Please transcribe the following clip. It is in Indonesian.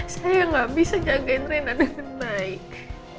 saya gak bisa jagain rena dengan naik